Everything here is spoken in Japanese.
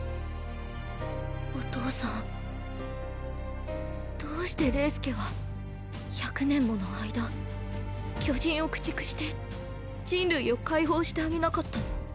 お父さんどうしてレイス家は１００年もの間巨人を駆逐して人類を解放してあげなかったの？